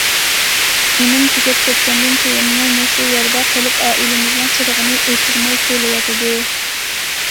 ئىنىم تۈگەپ كەتكەندىن كېيىنمۇ مۇشۇ يەردە قېلىپ ئائىلىمىزنىڭ چىرىغىنى ئۆچۈرمەي كېلىۋاتىدۇ.